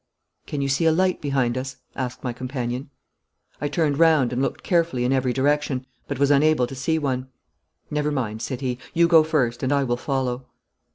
'Can you see a light behind us?' asked my companion. I turned round and looked carefully in every direction, but was unable to see one. 'Never mind,' said he. 'You go first, and I will follow.'